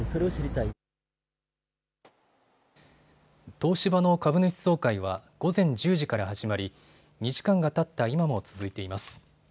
東芝の株主総会は午前１０時から始まり、２時間がたった今も続いています。